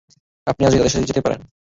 আপনি আজই তাদের সাথে যেতে পারবেন।